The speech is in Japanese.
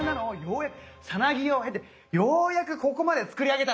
さなぎを経てようやくここまで作り上げたのよ。